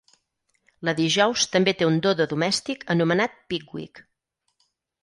La Dijous també té un dodo domèstic anomenat Pickwick.